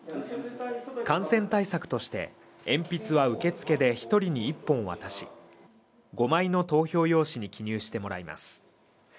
感染対策として鉛筆は受付で一人に１本渡し５枚の投票用紙に記入してもらいます